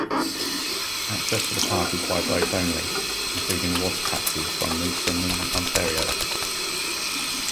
Access to the park is by boat only, including water taxis from Moosonee, Ontario.